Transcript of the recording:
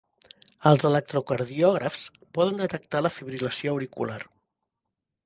Els electrocardiògrafs poden detectar la fibril·lació auricular.